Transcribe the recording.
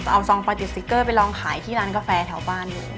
เอาซองไฟติดสติ๊กเกอร์ไปลองขายที่ร้านกาแฟแถวบ้านดู